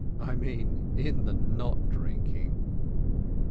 I mean, in the not drinking.